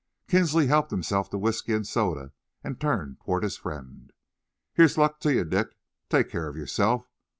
Kinsley helped himself to whisky and soda and turned towards his friend. "Here's luck to you, Dick! Take care of yourself.